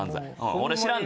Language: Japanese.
俺知らんで？